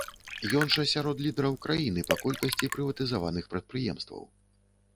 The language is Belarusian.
Ён жа сярод лідараў краіны па колькасці прыватызаваных прадпрыемстваў.